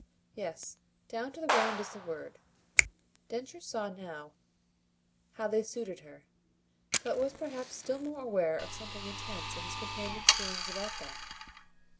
"Yes down to the ground is the word." Densher saw now how they suited her, but was perhaps still more aware of something intense in his companion's feeling about them.